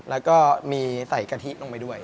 แล้วก็มีใส่กะทิลงไปด้วย